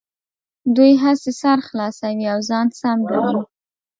دوی هسې سر خلاصوي او ځان سم ګڼي.